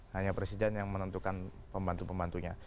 hanya presiden yang menentukan pembantu pembantunya